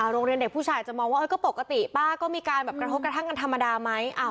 โรงเรียนเด็กผู้ชายอาจจะมองว่าก็ปกติป้าก็มีการแบบกระทบกระทั่งกันธรรมดาไหม